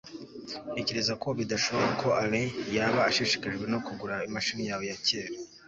ntekereza ko bidashoboka ko alain yaba ashishikajwe no kugura imashini yawe ya kera